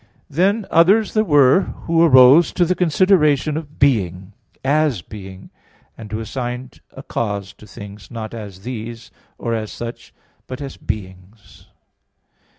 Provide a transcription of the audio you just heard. Then others there were who arose to the consideration of "being," as being, and who assigned a cause to things, not as "these," or as "such," but as "beings."